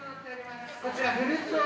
こちら。